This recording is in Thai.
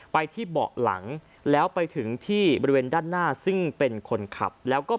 ไปที่เบาะหลังแล้วไปถึงที่บริเวณด้านหน้าซึ่งเป็นคนขับแล้วก็